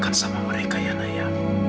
apa yang dikatakan sama mereka ya naya